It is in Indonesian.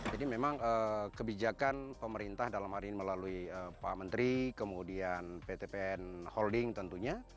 jadi memang kebijakan pemerintah dalam hari ini melalui pak menteri kemudian pt pn holding tentunya